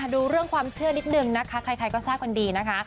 ดูเรื่องความเชื่อนิดนึงนะคะใครก็ทราบกันดีนะคะ